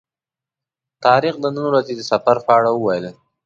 طارق د نن ورځې د سفر په اړه وویل.